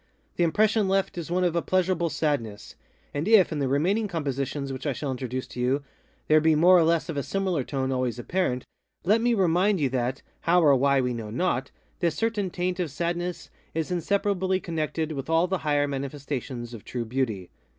The impression left is one of a pleasurable sadness. And if, in the remaining compositions which I shall introduce to you, there be more or less of a similar tone always apparent, let me remind you that (how or why we know not) this certain taint of sadness is inseparably connected with all the higher manifestations of true Beauty.